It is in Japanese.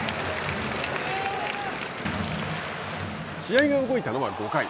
試合が動いたのは５回。